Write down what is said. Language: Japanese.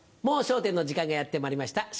『もう笑点』の時間がやってまいりました。